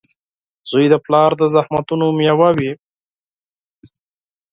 • زوی د پلار د زحمتونو مېوه وي.